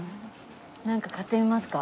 なんか買ってみますか？